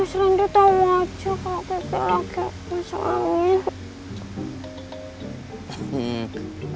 mas rendy tau aja kalo gigi laki laki masuk angin